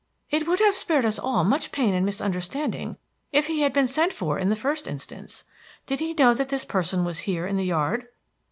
"It would have spared us all much pain and misunderstanding if he had been sent for in the first instance. Did he know that this person was here in the yard?"